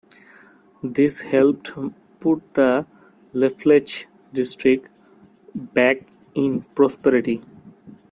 This helped put the Lafleche district back in prosperity.